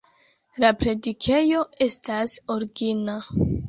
La predikejo estas origina.